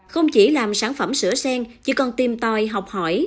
không chỉ làm sản phẩm sữa sen chỉ còn tìm tòi học hỏi